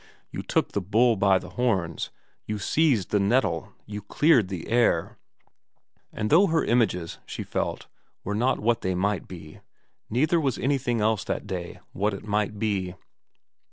You took the bull by the horns. You seized the nettle. You cleared the air. And though her images, she felt, were not what they might be, neither was anything else that day what it might be.